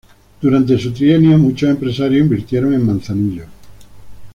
Durante su trienio, muchos empresarios invirtieron en Manzanillo.